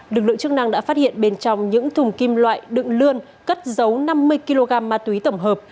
lực lượng chức năng đã phát hiện bên trong những thùng kim loại đựng lươn cất dấu năm mươi kg ma túy tổng hợp